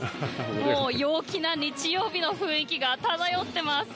もう陽気な日曜日の雰囲気が漂ってます。